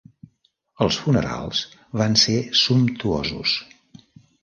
Els funerals van ser sumptuosos.